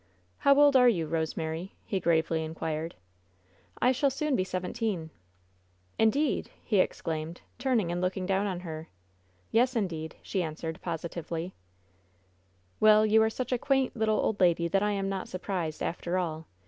"How old are you, Rosemary?" he gravely inquired. "I shall soon be seventeen." "Indeed 1" he exclaimed, turning and looking down on her. 'Yes, indeed 1" she answered, positively, Well, you are such a quaint, little old lady, that I am not surprised, after all.